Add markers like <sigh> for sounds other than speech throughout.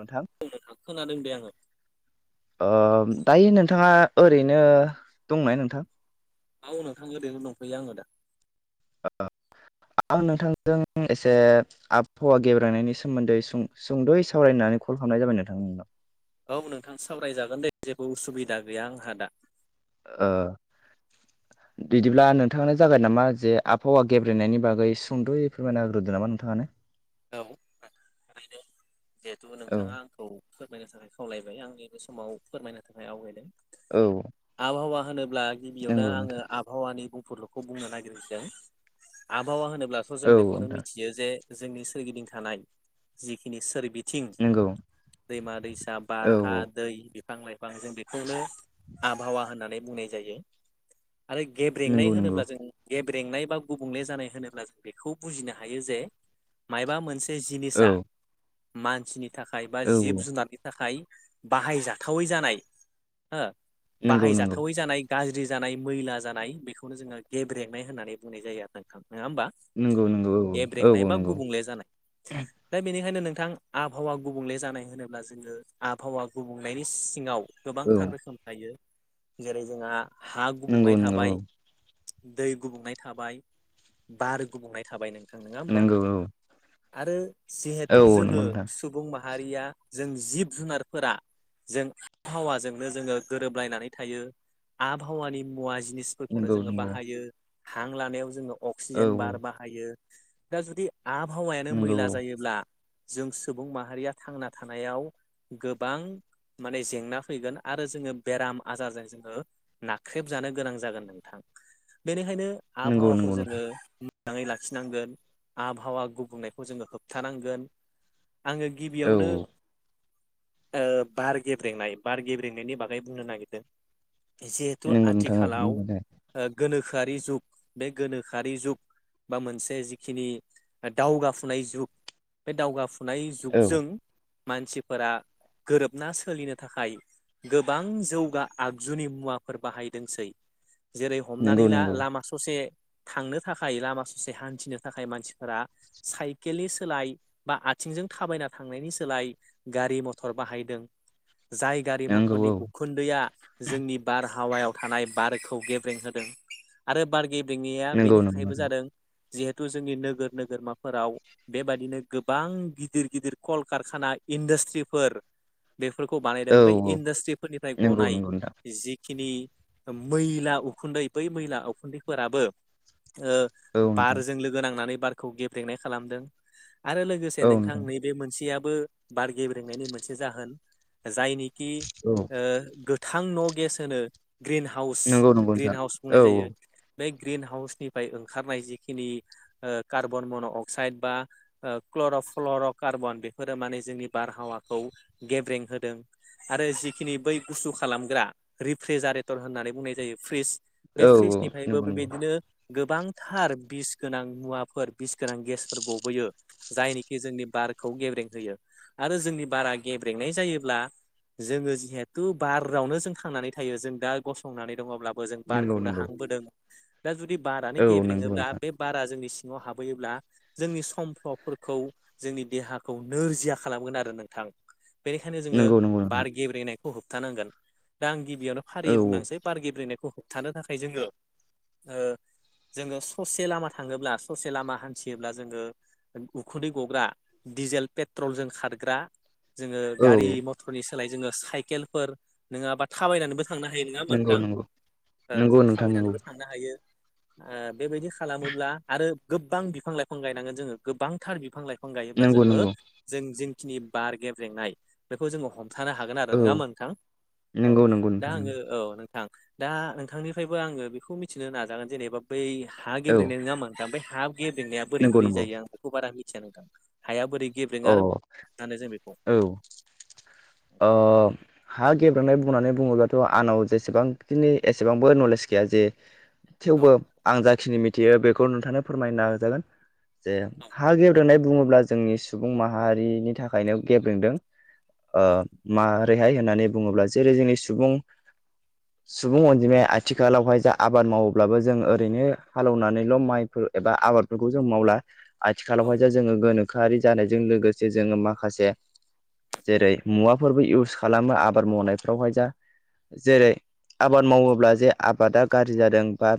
नोंथां औ खोनादों दे आङो ओ दायो नोंथाङा ओरैनो दंना नोंथां? औ नोंथां ओरैनो दंथ'यो आङो दा। आ आं नोंथांजों एसे आबहावा गेब्रांनायनि सोमोन्दै सुं-सुंद'यै सावरायना कल खालामनाय जाबाय नोंथां। औ नोंथां सावरायजागोन दे जेबो उसुबिदा गैया आंहा दा। ओ बिदिब्ला नोंथाङानो जागोन नामा जे आबहावा गेब्रेनायनि बागै सुंद'य फोरमायना हाग्रोदो नामा नोंथाङानो। औ ओं बेनो जिहेथु औ नोंथाङा आंखौ फोरमायनो थाखाय खावलायबाय आं नैबे समाव फोरमायनो थाखाय आवगायदों, औ। ब्ला गिबियावनो नंगौ आङो नोंथां आबहावानि बुंफुरल'खौ बुंनो नागिरदों आबहावा होनोब ब्लाथ' जों औ बेखौनो नोंथां मिथियो जे जोंनि सोरगिदिं थानाय जिखिनि सोरबिद थिं नंगौ दैमा दैसा, बार, औ हा, औ दै बिफां लाइफां जों बेखौनो आबहावा होननानै बुंनाय जायो। आरो गेब्रेंनाय नंगौ नंगौ होनोब्ला जों गेब ब्रेंनाय बा गुबुंले जानाय होनोब्ला जों बेखौ बुजिनो हायो जे मायाबा मोनसे औ जिनिसा मानसिनि थाखाय बा जिब औ जुनारनि थाखाय बाहायजाथावै जानाय हो नंगौ नंगौ बाहायजाथावै जानाय गाज्रि जानाय मैला जानाय बेखौनो जोङो गेब्रेंनाय होननानै बुंनाय जायो आरो नोंथां नङा होमबा? नंगौ नंगौ औ औ एब्रेंनाय ए औ बा नंगौ गुबुंले जानाय। दा बेनिखायनो नों थां आबहावा गुबुंले जानाय होनोब्ला जोङो आबहावा गुबुंलनायनि सिङाव औ गोबांथार रोखोम थायो जेरै जोंहा हा गुबुंङै नंगौ नंगौ थाबाय, औ दै गुबुंनाय थाबाय, बार गुबुंनाय थाबाय नोंथां नङा होमबा? नंगौ औ आरो जिहेथु औ जोङो नंगौ नोंथां सुबुं माहारिया जों जिब जुनारफोरा जों आबहावाजोंनो जोङो गोरोबलायनानै थायो आबहावानि मुवा जि निसफोरखौनो नंगौ जोङो नंगौ बाहायो हां लानायाव जोङो औ अक्सिजेन औ बार बाहायो। दा जुदि आबहावायानो नंगौ मैला औ जायोब्ला जों सुबुं माहारिया थांना थानायाव गोबां माने जेंना फैगोन आरो जोङो बेराम आजारजों जोङो नाख्रेब जानो गोनां जागोन नोंथां बेनिखायनो नंगौ आबहावाखौ नंगौ नोंथां जोङो मोजाङै लाखिनांगोन आबहावा गुबुंनायखौ जोङो होबथानांगोन आङो औ गिबियावनो औ ओ बार गेब्रेंनाय बार गेब्रेंनायनि बागै बुंनो नागिरदों जिहेथु नंगौ नोंथां औ आथिखालाव बुंबाय था ओ गोनोखो गोखोआरि जुग बे गोनोखोआरि जुग बा मोनसे जिखिनि दावगाफुनाय जुग बे दावगाफुनाय औ जुगजों मानसिफोरा गोरोबना सोलिनो थाखाय गोबां जौगा आगजुनि मुवाफोर बाहायदोंसै जेरै नंगौ हमनानै ला नंगौ लामा ससे थांनो थाखाय लामा ससे हान्थिनो थाखाय मानसि फोरा साइकेलनि सोलाय बा आथिंजों थाबाय ना थांनायनि सोलाय गारि मथर बाहायदों जाय गारि मथरनि नंगौ औ उखुन्दैआ जोंनि बार हावायाव थानाय बारखौ गेब्रें होदों आरो बार गेब्रेंया नंगौ बेनि नंगौ थाखायबो नोंथां जादों। जिहेतु जोंनि नोगोर नोगोरमाफोराव बेबादिनो गोबां गिदिर गिदिर कलकारखाना इन्डास्ट्रिफोर बेफोरखौ औ बानायदों बै इन्डास्ट्रिफोरनिफ्राय नंगौ ग'नाय नंगौ नोंथां जिखिनि मैला उखुन्दै बै मैला उखुन्दैफोराबो ओ औ नोंथां बारजों लोगो नांनानै बारखौ ग्रेब्रेंनाय खालामदों। आरो लोगोसे नोंथां नैबे मोनसेयाबो बार गेब्रेंनायनि मोनसे जाहोन जायनि कि औ ओ गोथां न' गेस होनो ग्रिन हाउस नंगौ नंगौ ग्रिन नोंथां हाउस औ बुंनाय जायो बे ग्रिन हाउसनिफ्राय ओंखारनाय जिखिनि ओ कार्बन मन' अक्साइद बा क्ल फ्लर' कार्बन बेफोरो माने जोंनि बारहावाखौ गेब्रें होदों आरो जिखिनि बै गुसु खालामग्रा रिफ्रिजारेटर होननानै बुंनाय जायो फ्रिस बे औ औ फ्रिजनिफ्रायबो नंगौ नंगौ औ बेबायदिनो गोबांथार बिस गोनां मुवाफोर बिस गोनां गेसफोर गबोयो जायनिखि जोंनि बारखौ गेब्रें होयो आरो जोंनि बारा गेब्रेंनाय जायोब्ला जोङो जिहेथु बारावनो जों थांनानै थायो जों दा गसंनानै दङब्ला जों नंगौ बारखौनो हांबोदों दा जुदि बारानो गेब्रेङोब्ला नोंथां बे बारा जोंनि सिङाव हाबहैयोब्ला जोंनि समफ्लफोरखौ जोंनि देहाखौ नोरजिया खालामगोन आरो नोंथां बेनिखायनो जोङो नंगौ नंगौ नोंथां बार गेब्रेनायखौ होबथानांगोन दा आं गिबियावनो फारियै औ बुंनांसै बार गेब्रेनायखौ थानो थाखाय जोङो ओ जोङो ससे लामा थाङोब्ला ससे लामा हान्थियोब्ला जोङो उखुन्दै ग'ग्रा डिजेल पेट्रलजों खारग्रा जोङो औ गारि मथरनि सोलाय जोङो साइकेलफोर नङाबा थाबायनानैबो थांनो हायो नङा होनबा नंगौ नोंथां नंगौ ओ नंगौ जों नोंथां थाबायनानैबो थांनो हायो ओ बेबायदि खालामोब्ला आरो गोबां बिफां लाइफां गायनांगोन जोङो गोबांथार बिफां लाइफां बिफां गायोब्ला नंगौ नंगौ जोङो जों जिखिनि बार गेब्रेंनाय बेखौ जो ह हमथानो हागोन आरो औ नङा होनबा नोंथां औ नंगौ नंगौ दा नोंथां आङो औ नोंथां दा नोंथांनिफ्रायबो आङो बेखौ मिथिनो नाजागोन जेनेबा बै हा औ गेब्रेनाय नङा होनबा ओमफ्राय हा गेदेनाया बोरै नंगौ बोरै नंगौ जायो आं बेखौ बारा मिथिया नोंथां हाया बोरै गेब्रेङो अ आरो होनो जों बेखौ औ अ हा गेब्रेनाय बुंनानै बुङोबाथ आंनाव जेसेबांखिनि एसेबांबो नलेज गैया जे औ थेवबो आं जा खिनि मिथियो बेखौ नोंथांनो फोरमायनााजागोन जे औ हा गेब्रेंनाय बुङोब्ला जोंनि सुबुं माहारिनि थाखायनो गेब्रेंदों ओ मा बेहाय होननानै बुङोब्ला जेरै जोंनि सुबुं सुबुं अनजिमाया आथिखालावहाय जा आबाद मावोब्लाबो जों ओरैनो हालेवनानैल माइफोर एबा आबादफोरखौ जों मावला औ आथिखालावहाय जे जोंङोगोनोखोआरि जानायजों लोगोसे जोङो माखासे जेरै मुवाफोरबो इउस खालामो आबाद मावनायफ्रावहाय जा जेरै आबाद मावोब्ला जे आबादा गाज्रि जादों बा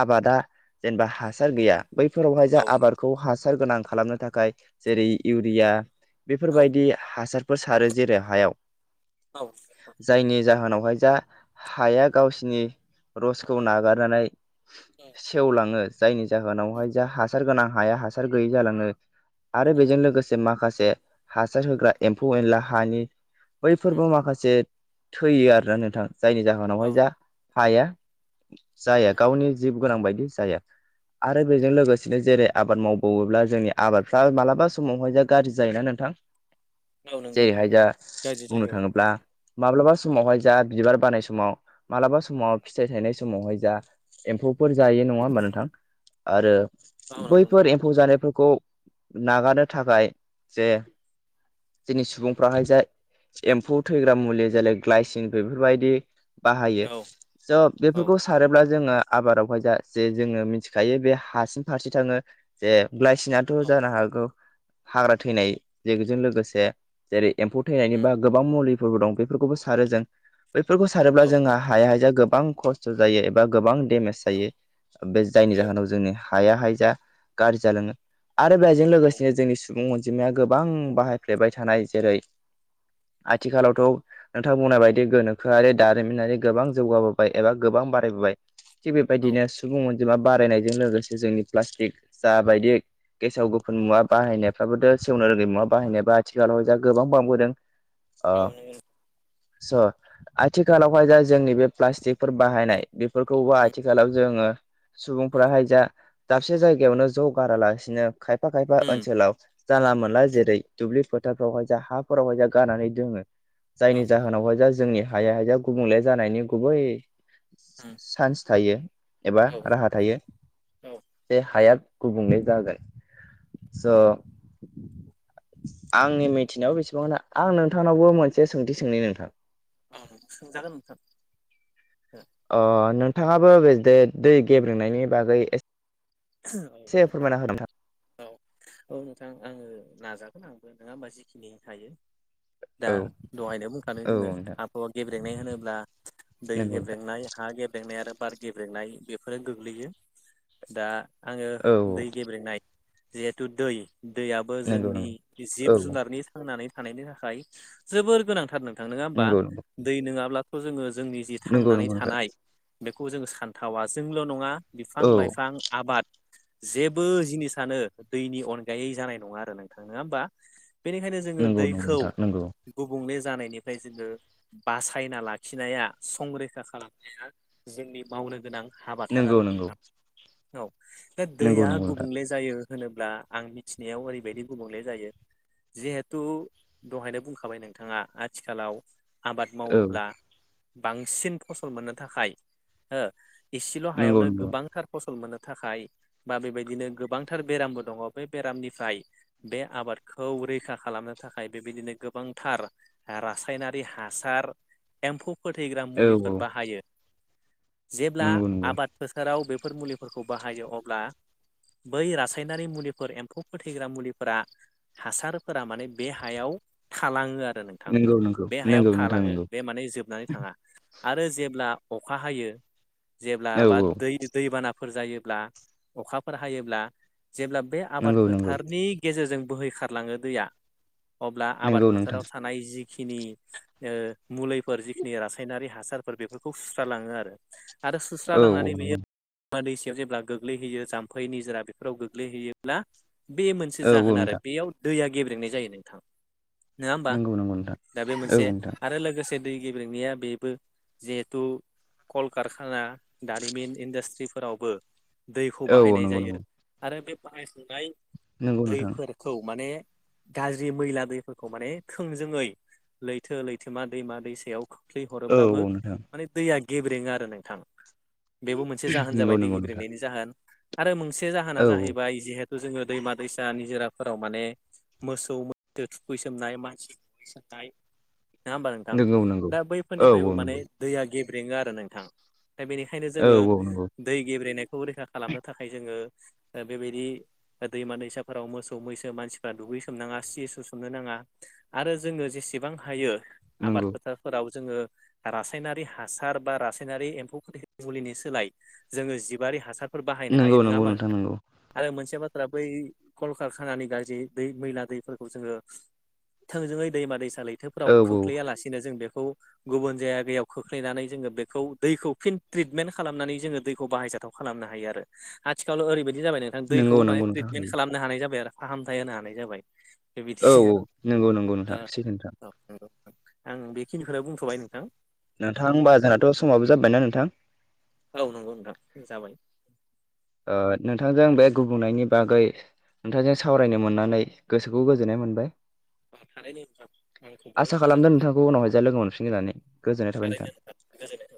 आबादा जेनेबा हा हासार गैया बैफोरावहाय औ जा आबादखौ हासार गोनां खालामनो थाखाय जेरै इउरिया बेफोरबायदि हासारफोर सारो जेरै हायाव औ जायनि जाहोनावहाय जा हाया गावसिनि रसखौ नागारनानै सेवलाङो। जायनि जाहोनावहाय जा हासार गोनां हाया हासार गैयै जालाङो। आरो बेजों लोगोसे माखासे हासार होग्रा एम्फौ एनला हानि बैफोरबो माखासे थैयो आरोना नोंथां। जायनि औ जाहोनावहाय जा हाया औ जाया गावनि जिब गोनां बायदि जायो आरो बेजों लोगोसेनो जेरै आबाद मावबावोब्ला जोंनि आबादफ्रा मालाबा समावहाय जा गाज्रि जायोना नोंथां। नंगौ नोंथां जेरैहाय जा गाज्रि बुंनो जायो थाङोब्ला माब्लाबा समावहाय जा बिबार बारनाय समाव मालाबा समाव फिथाइ थायनाय समावहाय जा एम्फौ फोर जायो नङा होमबा नोंथां आरो औ औ नंगौ बैफोर एम्फौ जानायफोरखौ नागारनो थाखाय जे जोंनि सुबुंफ्राहाय जे एम्फौ थैग्रा मुलि जाय ग्लायसिन बेफोरबायदि बाहायो नोंथां औ स औ बेफोरखौ सारोब्ला जोङो। आबादावहाय जा जे जोङो मिथिखायो बे हासिं फारसे थाङो जे ब्लाइसिं थ औ जानो हागौ हाग्रा थैनाय बेजों लोगोसे जेरै एम्फौ थैनायनि बा गोबां मुलिफोरबो दं बेफोरखौबो सारो जों। बैफोरखौ औ सारोब्ला जोंहा हाया हायाया गोबां खस्थ जायो एबा गोबां देमेज जायो बे औ जायनि जाहोनाव जोंनि हायाहाय जा गाज्रि जालाङो। आरो बेजों लोगोसेनो जोंनि सुबुं अनजिमाया गोबां बाहायफ्लेबाय थानाय जेरै आथिखालावथ नोंथां बुंनाय बायदि गोनोखोआरि दारिमिनारि गोबां जौगाबोबाय एबा गोबां खम बारायबोबाय। थिग बेबायदिनो सुबुं अनजिमा बारायनायजों लोगोसे जोंनि प्लास्टिक जा बायदि गेसाव गोफुन मुवा बाहायनायफ्राबोथ सेवनो रोङि मुवा बाहायनायाबो आथिखालावहाय जा गोबां बांबोदों। ओ औ नंगौ। स आथिखालावहाय जा जोंनि बे प्लास्टिकफोर बाहायनाय बेफोरखौबो उम आथिखालाव जों जङो सुबुंफोराहाय जा दाबसे जायगायावनो ज गारालासिनो खायफा खायफा उम ओनसोलाव जानला मोनला उम जेरै दुब्लि फोथारफ्रावहाय जा हा फोरावहाय जा गारनानै दोङो जायनि जाहोनावहाय जोंनि हाया हायाया गुबुंले जानायनि गुबै चान्स थायो। एबा औ राहा थायो औ जे हाया गुबुंले जागोन। स। आंनि मिथिनायाव बेसेबां दा आं नोंथांनावबो मोनसे सोंथि सोंनि नोंथां। औ सोंजागोन नोंथां। अ नोंथाङाबो बे दै गेब्रेनायनि बागै एस औ नोंथां औ औ नोंथां आङो। नाजागोन आंबो नङा होमबा जिखिनि हायो। दा औ दहायनो बुंखादों औ जोङो नोंथां आबहावा गेब्रेंनाय होनोब्ला दै नंगौ नोंथां गेब्रेंनाय हा हा गेब्रेंनाय आरो बार गेब्रेनाय बेफोरो गोग्लैयो दा आङो औ दै गेब्रेनाय जिहेथु दै दैयाबबो नंगौ जोंनि नंगौ औ जिब जुनारनि थांनानै थानायनि थाखाय जोबोर गोनांथार नोंथां नंङा होमबा नंगौ दै नङाब्लाथ जोङो जोंनि जि नंगौ नंगौ थांनानै नोंथां थानाय बेखौ जों सानथावा जोंल नङा बिफां औ लाइफां आबाद जेबो जिनिसानो दैनि अनगायै जानाय नङा आरो नोंथां नङा होमबा बेनिखायनो जोङो नंगौ नंगौ दैखौ नोंथां नंगौ गुबुंले जानायनिफ्राय जोङो बासायना लाखिनाया संरैखा खालामनाया जोंनि मावनो गोनां हाबाथार नंगौ आरो नंगौ नोंथां औ दा नंगौ दैया नंगौ नोंथां गुबुंले जायो होनोब्ला आं मिथिनायाव ओरैबायदि गुबुंले जायो जिहेथु दहायनो बुंखाबाय नोंथाङा आथिखालाव आबाद औ मावोब्ला बांसिन फसल मोननो थाखाय हो इसेल नंगौ हायावनो नंगौ गोबांथार फसल मोनो थाखाय बा बेबायदिनो गोबांथार बेरामबो दङ बे बेरामनिफ्राय बे आबादखौ रैखा खालामनो थाखाय बेबायदिनो गोबांथार रासायनारि हासार एम्फौ फोथैग्रा औ मुलिफोर औ बाहायो जेब्ला नंगौ नंगौ आबाद फोथाराव बेफोर मुलिफोरखौ बाहायो अब्ला बै रासायनारि मुलिफोर एम्फौ फोथैग्रा मुलिफोरा हासारफोरा माने बे हायाव थालाङो आरो नोंथां नंगौ नंगौ बे हायाव नंगौ नोंथां थालाङो नंगौ बे माने जोबनानै थाङा आरो जेब्ला अखा हायो जेब्ला औ बा औ दै दैबाना फोर जायोब्ला अखाफोर हायोब्ला जेब्ला बे आबाद नंगौ नंगौ फोथारनि गेजेरजों बोहैखारलाङो दैया अब्ला आबाद नंगौ नोंथां फोथाराव थानाय जि जिखिनि मुलिफोर जिखिनि रासायनारि हासारफोर बेफोरखौ सुस्रालाङो आरो आरो सुस्रा औ औ लांनानै नंगौ बियो दैमा दैसायाव‌ जेब्ला गोग्लैहैयो जाम्फै निजोरा बेफोराव गोग्लैहैयोब्ला बे मोनसे औ औ जाहोन आरो नोंथां बेयाव दैया गेब्रेनाय जायो नोंथां नङा होमबा नंगौ नंगौ नोंथां दा बे औ मोनसे नोंथां आरो लोगोसे दै गेब्रेंनाया बेबो जिहेथु कलकारखाना दारिमिन इनदास्ट्रि फोरावबो दैखौ औ औ बाहायनाय नंगौ जायो नंगौ आरो बे बाहायसुंनाय नंगौ नोंथां दैफोरखौ माने गाज्रि मैला दैफोरखौ माने थोंजोङै लैथो लैथोमा दैमा दैसायाव थै औ हरोब्लाबो औ नोंथां माने दैया गेब्रेङो आरो नोंथां बेबो मोनसे जाहोन नंगौ जाबाय दै नंगौ नोंथां गिब्रेनायनि जाहोन आरो मोनसे जाहोना औ औ जाहैबाय जिहेतु जोङो दैमा दैसा निजोराफोराव माने मोसौ मैसो थुखैसोमनाय मानसि नाइ नङा होमबा नोंथां नंगौ नंगौ दा औ बैफोरनिफ्रायबो औ माने नंगौ दैया गेब्रेङो आरो नोंथां दा बेनिखायनो औ जोङो औ नंगौ दै गेब्रेनायखौ रैखा खालामनो थाखाय जोङो बेबायदि दैमा दैसाफोराव मोसौ मै सो मानसिफ्रा दुगैसोमनाङा सि सु सोमनो नाङा आरो जोङो जेसेबां हायो आबाद नंगौ फोथारफोराव जोङो रासायनारि हासार बा रासायनारि एम्फौफोर मुलिनि सोलाय जोङो जिबारि हासारफोर बाहायनो हायो नंगौ नंगौ नङामोन नोंथां नंगौ आरो मोनसे बाथ बै कलकखानानि गाज्रि दै मैला दैफोरखौ जोङो थोंजोङै दैमा दैसा लैथोफोराव औ औ खोख्लैयालासिनो जों बे गुबुन जायगायाव खोख्लैनानै जोङो बेखौ दैखौ फिनट्रिमेन्ट खालामनानै जोङो दैखौ बाहायजाथाव खालामनो हायो आरो आथिखालाव' ओरैबायदि बिदि जाबाय नोंथां नंगौ दैखौबो माने नंगौ नोंथां ट्रिटमेन्ट हायो खालामनो हानाय जाबाय आरो फाहामथाय होनो हानाय जाबाय बेबायदि औ औ आरो नंगौ नंगौ नोंथां औ सैथो नोंथां नंगौ नोंथां आं बेखिनिखौनो बुंथ'बाय नोंथां नोंथां ओमबा जोंनाथ' समाबो जाबायना नोंथां औ नंगौ नोंथां जाबाय ओ नोंथांजों बे गुबुंनायनि बागै नोंथांजों सावरायनो मोननानै गोसोखौ गोजोननाय मोनबाय। थारैनो नोंथां आंखौबो आसा मोजां खालामदों मोनदों नोंथांखौ उनावहाय जा लोगो मोनफिनगोन होननानै गोजोननाय थाबाय थारैनो नोंथां। <inaudible> गोजोननाय थाबाय